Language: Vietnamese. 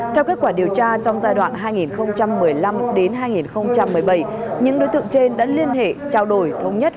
theo kết quả điều tra trong giai đoạn hai nghìn một mươi năm hai nghìn một mươi bảy những đối tượng trên đã liên hệ trao đổi thống nhất